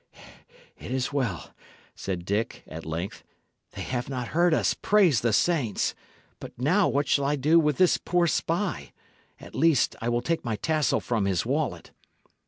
"It is well," said Dick, at length; "they have not heard us, praise the saints! But, now, what shall I do with this poor spy? At least, I will take my tassel from his wallet."